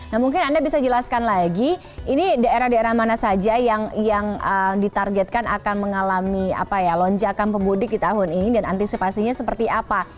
nah mungkin anda bisa jelaskan lagi ini daerah daerah mana saja yang ditargetkan akan mengalami lonjakan pemudik di tahun ini dan antisipasinya seperti apa